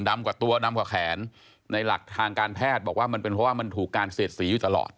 กว่าตัวดำกว่าแขนในหลักทางการแพทย์บอกว่ามันเป็นเพราะว่ามันถูกการเสียดสีอยู่ตลอด